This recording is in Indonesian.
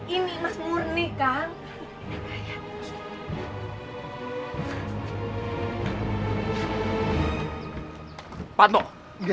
ini emas murni kang